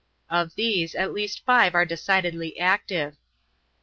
Of these at least five are decidedly active.